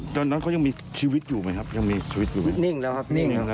ตอนนั้นเขายังมีชีวิตอยู่ไหมครับนิ่งแล้วครับ